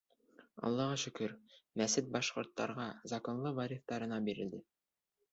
— Аллаға шөкөр, мәсет башҡорттарға, законлы вариҫтарына, бирелде.